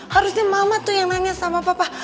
harusnya mama tuh yang nanya sama papa